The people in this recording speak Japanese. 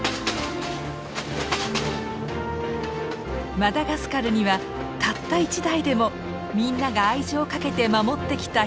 マダガスカルにはたった１台でもみんなが愛情をかけて守ってきた秘境鉄道があった。